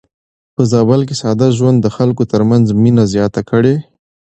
په زابل کې ساده ژوند د خلکو ترمنځ مينه زياته کړې.